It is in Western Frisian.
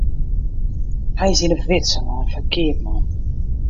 Hy is yn 'e widze lein foar keapman.